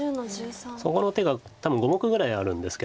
そこの手が多分５目ぐらいあるんですけど。